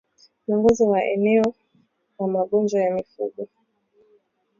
Mwongozo wa eneo wa magonjwa ya mifugo